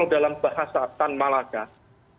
dalam bahasa tan malakas